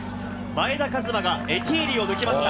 前田和摩がエティーリを抜きました。